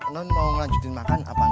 non mau ngajutin makan apa gak